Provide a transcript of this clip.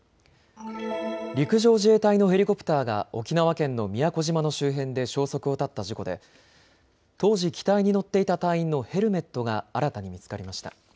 陸上自衛隊のヘリコプターが沖縄県の宮古島の周辺で消息を絶った事故で当時、機体に乗っていた隊員のヘルメットが新たに見つかりました。